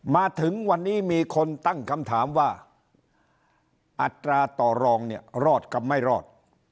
มาถึงวันนี้มีคนตั้งคำถามว่าอัตราต่อรองเนี่ยรอดกับไม่รอด